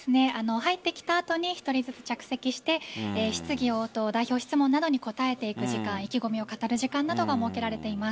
入ってきた後に１人ずつ着席して質疑応答、代表質問などに答えていく時間意気込みを語る時間などが設けられています。